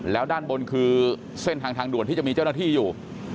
แล้วด้านบนคือเส้นทางทางด่วนที่จะมีเจ้าหน้าที่อยู่